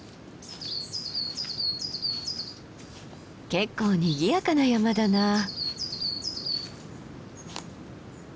結構にぎやかな山だなあ。